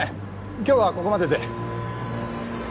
今日はここまでで。